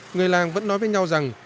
người làng vẫn nói với nhau rằng